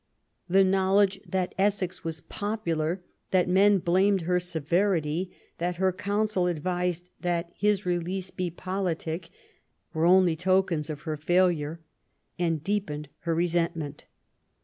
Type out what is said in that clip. The knowledge that Essex was popular, that men blamed her severity, that her Council advised that his release would be politic, were only tokens of her failure and deepened her resentment.